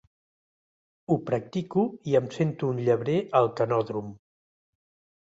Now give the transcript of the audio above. Ho practico i em sento un llebrer al canòdrom.